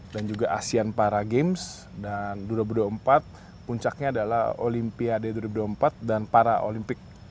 dan juga asian para games dan dua ribu dua puluh empat puncaknya adalah olympiade dua ribu dua puluh empat dan para olympic dua ribu dua puluh empat